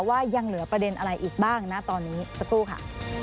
ยังเหลือประเด็นอะไรอีกบ้างนะตอนนี้สักครู่ค่ะ